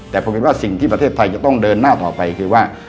แต่ผมเห็นว่าสิ่งที่ประเทศไทยจะต้องเดินหน้าต่อไปคือว่า